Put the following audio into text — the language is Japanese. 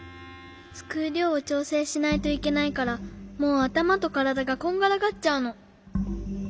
すくうりょうをちょうせいしないといけないからもうあたまとからだがこんがらがっちゃうの。